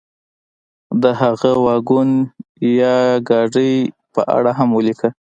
د هغه واګون یا ګاډۍ په اړه هم ولیکه.